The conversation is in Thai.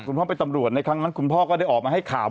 คุณพ่อเป็นตำรวจในครั้งนั้นคุณพ่อก็ได้ออกมาให้ข่าว